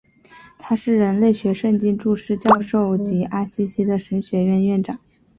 他是人类学圣经注释教授及阿西西的神学院院长。